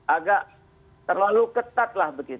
agak terlalu ketat